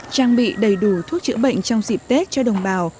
trang bị đầy đủ thuốc chữa bệnh trong dịp tết cho đồng bào